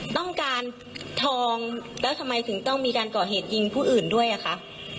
ต้องการทองแล้วทำไมถึงต้องมีการก่อเหตุยิงผู้อื่นด้วยอ่ะคะ